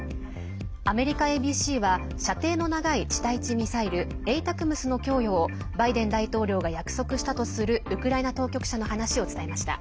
アメリカＡＢＣは射程の長い地対地ミサイル「ＡＴＡＣＭＳ」の供与をバイデン大統領が約束したとするウクライナ当局者の話を伝えました。